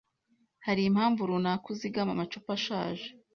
Hari impamvu runaka uzigama amacupa ashaje?